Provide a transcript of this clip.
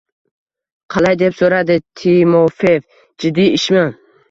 Qalay? – deb soʻradi Timofeev. – Jiddiy ishmi?